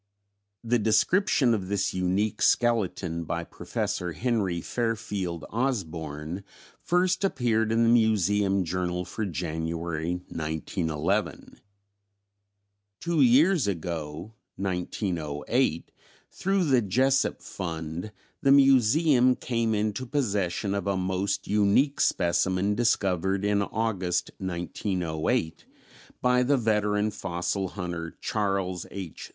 The description of this unique skeleton by Professor Henry Fairfield Osborn first appeared in the Museum Journal for January 1911. "Two years ago (1908) through the Jesup Fund, the Museum came into possession of a most unique specimen discovered in August 1908, by the veteran fossil hunter Charles H.